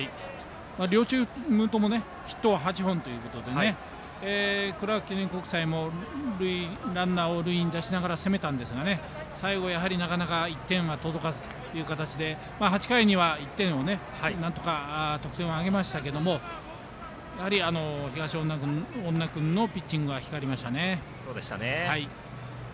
両チームともヒット８本ということでクラーク記念国際もランナーを塁に出しながら攻めたんですが、最後やはりなかなか１点は届かずという形で８回には１点をなんとか得点を挙げましたけれどもやはり、東恩納君のピッチングが光りましたね。